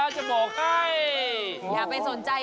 จะบอกให้